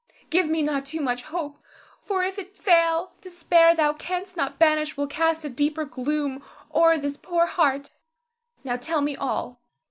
Give me not too much hope; for if it fail, despair thou canst not banish will cast a deeper gloom o'er this poor heart. Now, tell me all.